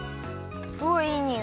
いいにおい。